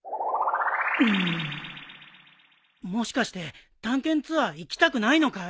うーんもしかして探検ツアー行きたくないのかい？